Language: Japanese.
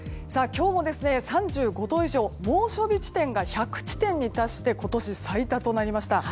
今日も３５度以上猛暑日地点が１００地点に達して今年最多となりました。